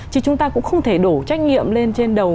chứ chúng ta cũng không thể đổ trách nhiệm lên trên đầu